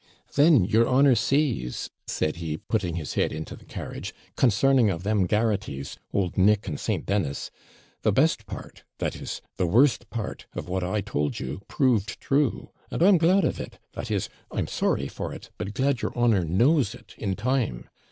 'Then your honour sees,' said he, putting his head into the carriage, 'CONSARNING of them Garraghties old Nick and St. Dennis the best part, that is the worst part, of what I told you, proved true; and I'm glad of it, that is, I'm sorry for it but glad your honour knows it in time.